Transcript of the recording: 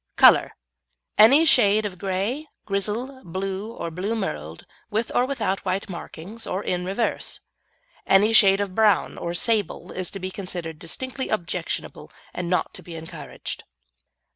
COLOUR Any shade of grey, grizzle, blue or blue merled, with or without white markings, or in reverse; any shade of brown or sable to be considered distinctly objectionable and not to be encouraged.